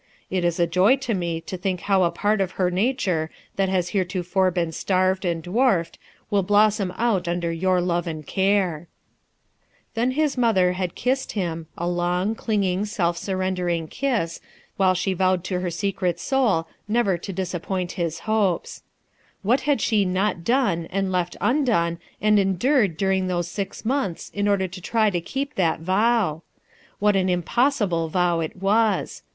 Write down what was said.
It k a joy to rne to think how a part of her nature that has heretofore Ijccn starved and rlwarfed will blossom out under your love and care/' Then his mother had kissed him, a long, cling ing, self surrendering kki, while uhe vowed to her secret soul never to disappoint bin hopes, Wliat had fchc not done and left undone and endured during those «ix months in order to try to keep that vow I What an impossible vow it was!